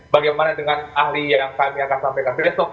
bagaimana dengan ahli yang kami akan sampaikan besok